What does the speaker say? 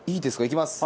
いきます。